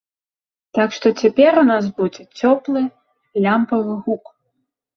Так што цяпер у нас будзе цёплы лямпавы гук!